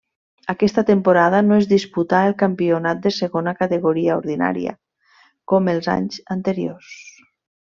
Aquesta temporada no es disputà el Campionat de Segona Categoria Ordinària com els anys anteriors.